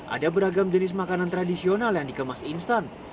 ada beragam jenis makanan tradisional yang dikemas instan